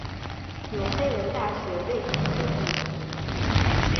纽黑文大学位于此地。